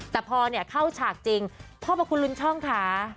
แต่พอเข้าฉากจริงพ่อพระคุณลุงช่องค่ะ